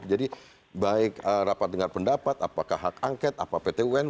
jadi baik rapat dengan pendapat apakah hak angket apa pt un